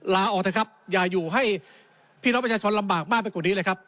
ลาออกเถอะครับอย่าอยู่ให้พี่น้องประชาชนลำบากมากไปกว่านี้เลยครับ